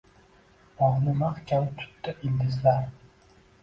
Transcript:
Bog‘ni mahkam tutdi ildizlar